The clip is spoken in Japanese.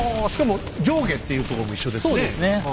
しかも上下っていうところも一緒ですね。